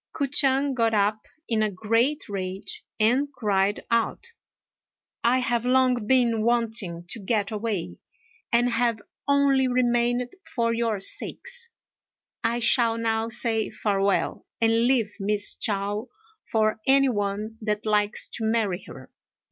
K'o ch'ang got up in a great rage and cried out, "I have long been wanting to get away, and have only remained for your sakes. I shall now say farewell, and leave Miss Chao for any one that likes to marry her."